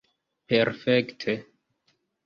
perfekte